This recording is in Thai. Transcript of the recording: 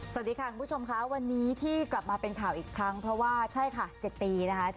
สวัสดีค่ะคุณผู้ชมค่ะวันนี้ที่กลับมาเป็นข่าวอีกครั้งเพราะว่าใช่ค่ะ๗ปีนะคะ